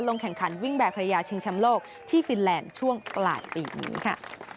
ลงแข่งขันวิ่งแบบภรรยาชิงแชมป์โลกที่ฟินแลนด์ช่วงปลายปีนี้ค่ะ